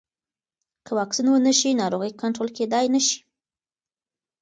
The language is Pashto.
که واکسین ونه شي، ناروغي کنټرول کېدای نه شي.